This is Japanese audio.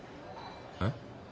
えっ？